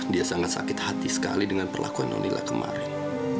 dia sangat sakit hati sekali dengan perlakuan nonila kemarin